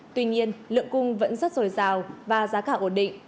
tuy nhiên lượng cung vẫn rất rồi rào và giá cả ổn định